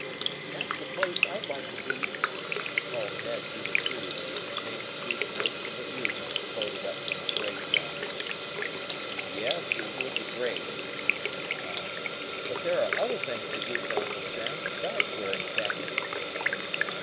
"That's the place I'd like to be," called Ned through the tube as the faint, sweet notes of a bugle floated up from the parade ground. "Yes, it would be great," admitted Tom. "But there are other things to do for Uncle Sam besides wearing khaki."